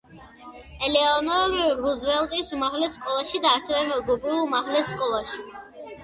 ელეონორ რუზველტის უმაღლეს სკოლაში და ასევე მეგობრულ უმაღლეს სკოლაში.